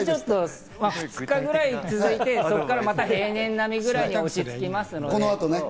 ２日ぐらい続いて、また平年並みぐらいに落ち着きますので。